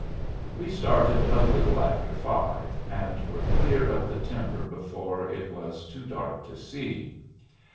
We started a little after five, and were clear of the timber before it was too dark to see.